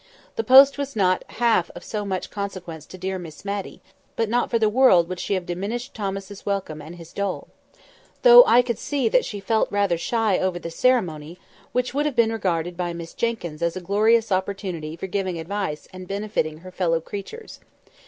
The post was not half of so much consequence to dear Miss Matty; but not for the world would she have diminished Thomas's welcome and his dole, though I could see that she felt rather shy over the ceremony, which had been regarded by Miss Jenkyns as a glorious opportunity for giving advice and benefiting her fellow creatures.